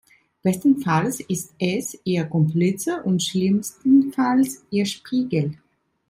Bestenfalls ist es ihr Komplize und schlimmstenfalls ihr Spiegel.